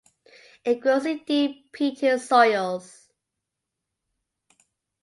It grows in deep peaty soils.